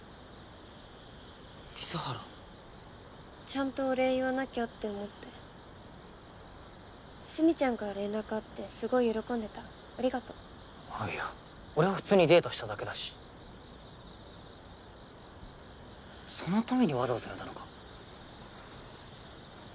ちゃんとお礼言わなきゃって思って墨ちゃんから連絡あってすごい喜んでたありがとうあっいや俺は普通にデートしただけだしそのためにわざわざ呼んだのか？